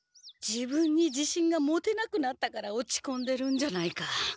自分にじしんが持てなくなったから落ちこんでるんじゃないか。